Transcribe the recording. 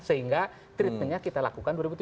sehingga treatmentnya kita lakukan dua ribu tujuh belas